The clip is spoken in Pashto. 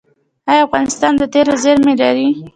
آیا افغانستان د تیلو زیرمې لري؟